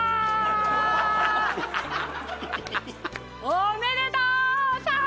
おめでとうさん！！